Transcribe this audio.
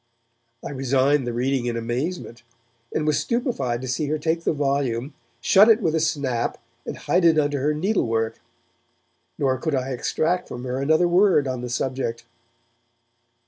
I resigned the reading in amazement, and was stupefied to see her take the volume, shut it with a snap and hide it under her needlework. Nor could I extract from her another word on the subject.